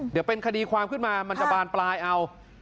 เดี๋ยวเป็นคดีความขึ้นมามันจะบานปลายเอา